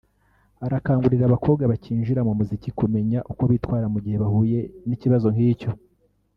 Arakangurira abakobwa bakinjira muri muzika kumenya uko bitwara mu gihe bahuye n’ikibazo nk’icyo